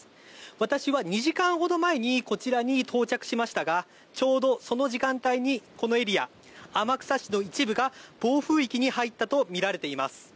私は２時間ほど前に、こちらに到着しましたがちょうどその時間帯にこのエリア、天草市の一部が暴風域に入ったとみられています。